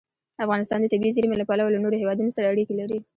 افغانستان د طبیعي زیرمې له پلوه له نورو هېوادونو سره اړیکې لري.